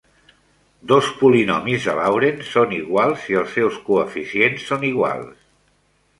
Dos polinomis de Laurent són iguals si els seus coeficients són iguals.